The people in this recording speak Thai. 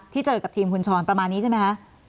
เจอกับทีมคุณชรประมาณนี้ใช่ไหมคะ